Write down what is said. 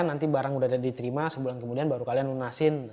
nanti barang udah diterima sebulan kemudian baru kalian lunasin